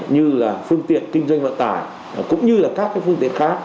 như là phương tiện kinh doanh vận tải cũng như là các phương tiện khác